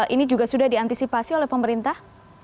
ini juga sudah diantisipasi oleh pemerintah